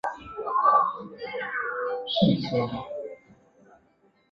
边缘设备是向企业或服务提供商核心网络提供入口点的设备。